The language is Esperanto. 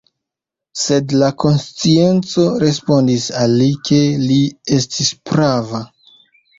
Sed la konscienco respondis al li, ke li estis prava.